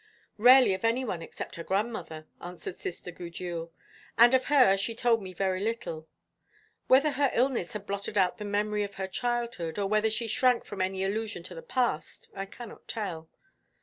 "Rarely of any one except her grandmother," answered Sister Gudule, "and of her she told me very little. Whether her illness had blotted out the memory of her childhood, or whether she shrank from any allusion to the past, I cannot tell.